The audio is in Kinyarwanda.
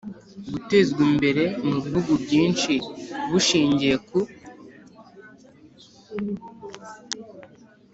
gutezwa imbere mu bihugu byinshi bushingiye ku